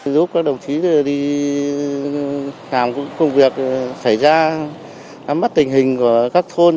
giúp các đồng chí đi làm công việc xảy ra nắm mắt tình hình của các thôn